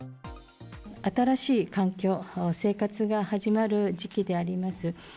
新しい環境、生活が始まる時期であります。